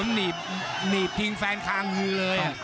หนีบทิ้งแฟนคางเลย